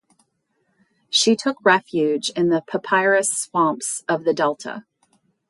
She took refuge in the papyrus swamps of the Delta.